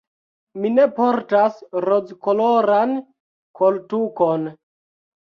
Mi ne portas rozkoloran koltukon.